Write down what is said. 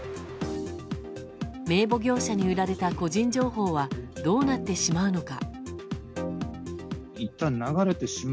名簿業者に売られた個人情報はどうなってしまうのか。